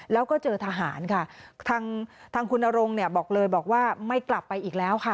แล้วก็เจอทหารค่ะทางคุณโรงบอกเลยว่าไม่กลับไปอีกแล้วค่ะ